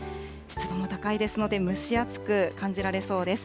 湿度も高いですので蒸し暑く感じられそうです。